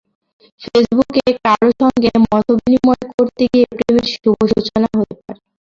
ফেসবুকে কারও সঙ্গে মতবিনিময় করতে গিয়ে প্রেমের শুভ সূচনা হতে পারে।